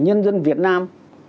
nhân dân việt nam